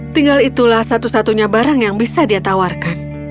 tinggal itulah satu satunya barang yang bisa dia tawarkan